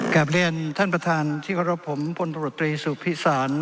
กับเรียนท่านประธานที่ก็รับผมพลตำรวจตรีสุขภิษฐาน